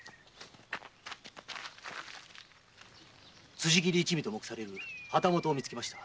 辻斬り一味と目される旗本を見つけました。